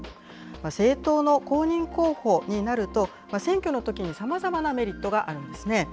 政党の公認候補になると、選挙のときにさまざまなメリットがあるんですね。